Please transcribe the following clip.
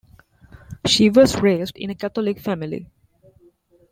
She was raised in a Catholic family.